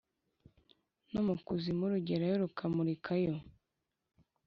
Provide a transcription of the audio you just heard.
No mukuzimu rugerayo rukamurikayo